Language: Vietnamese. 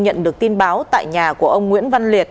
nhận được tin báo tại nhà của ông nguyễn văn liệt